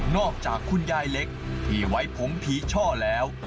คุณยายเล็กที่ไว้ผมผีช่อแล้ว